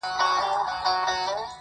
د زيارتـونو يې خورده ماتـه كـړه.